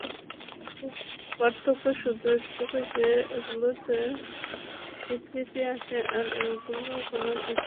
পার্থক্য শুধু এতটুকু যে, এগুলোতে বিকৃতি আসে আর ওগুলোর কোন বিকৃতি নেই।